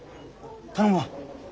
頼むわ。